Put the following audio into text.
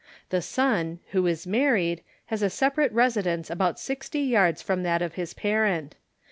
The son, who is married, has a separate residence about sixty yards from that of his parent.